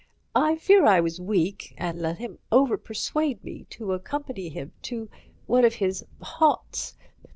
I fear I was weak, and let him overpersuade me to accompany him to one of his haunts.